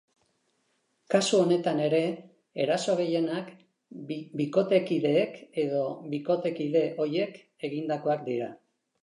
Kasu honetan ere, eraso gehienak bikotekideek edo bikotekide ohiek egindakoak dira.